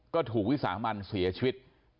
ก็ถูกวิสามันเสียชีวิต